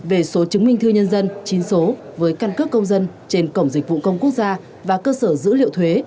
về số chứng minh thư nhân dân chín số với căn cước công dân trên cổng dịch vụ công quốc gia và cơ sở dữ liệu thuế